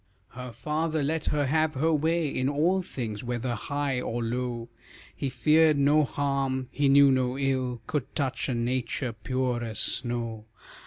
Her father let her have her way In all things, whether high or low; He feared no harm; he knew no ill Could touch a nature pure as snow.